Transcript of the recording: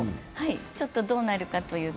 ちょっとどうなるかという。